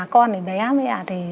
con thì bé mẹ thì lo nghĩ nhiều